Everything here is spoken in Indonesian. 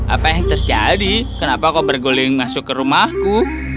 apa yang terjadi kenapa kau berguling masuk ke rumahku